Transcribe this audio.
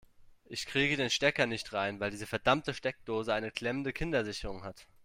Ich kriege den Stecker nicht rein, weil diese verdammte Steckdose eine klemmende Kindersicherung hat.